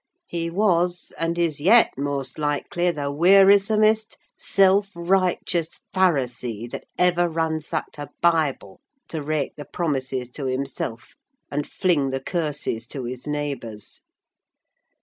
He was, and is yet most likely, the wearisomest self righteous Pharisee that ever ransacked a Bible to rake the promises to himself and fling the curses to his neighbours.